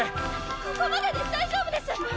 ここまでで大丈夫です！